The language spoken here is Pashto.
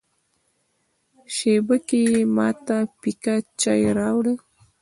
شېبه کې یې ما ته پیکه چای راوړ.